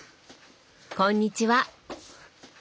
こんにちは。